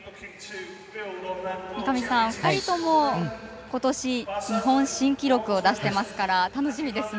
三上さん、２人とも今年日本新記録を出してますから楽しみですね。